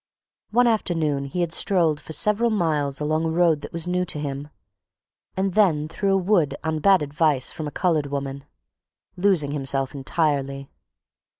One afternoon he had strolled for several miles along a road that was new to him, and then through a wood on bad advice from a colored woman... losing himself entirely.